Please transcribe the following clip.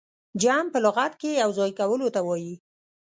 جمع په لغت کښي يو ځاى کولو ته وايي.